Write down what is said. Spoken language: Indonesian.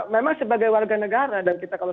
memang sebagai warga negara dan kita kalau